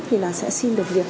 thì là sẽ xin được việc